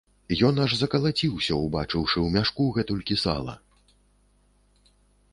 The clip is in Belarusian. Ён аж закалаціўся, убачыўшы ў мяшку гэтулькі сала.